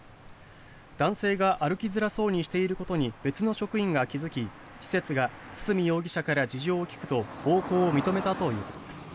男性が歩きづらそうにしていることに別の職員が気付き施設が堤容疑者から事情を聴くと暴行を認めたということです。